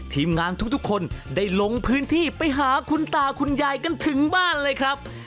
ทีมงานทุกคนได้ลงพื้นที่ไปหาคุณตาคุณยายกันถึงบ้านเลยครับ